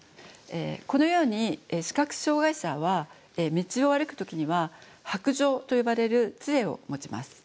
このように視覚障害者は道を歩く時には白杖と呼ばれる杖を持ちます。